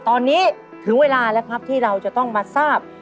ตอนนี้ถึงเวลาแล้วครับที่เราจะต้องมาทราบ